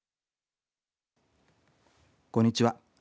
こんにちは。